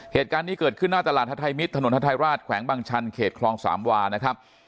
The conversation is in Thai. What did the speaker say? เหตุการณ์นี้เกิดขึ้นหน้าตลาดฮัทไทยมิตรถนนฮัทไทยราชแขวงบางชันเขตคลองสามวานะครับ